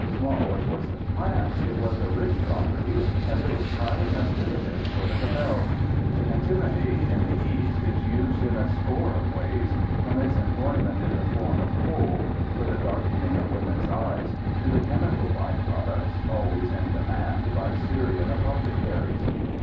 Small as was the plant, it was a rich property and it was piling up dividends for the Cabells. Antimony, in the East, is used in a score of ways from its employment in the form of kohl, for the darkening of women's eyes, to the chemical by products, always in demand by Syrian apothecaries.